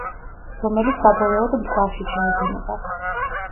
რომელიც საბოლოოდ მტკვარში ჩაედინება.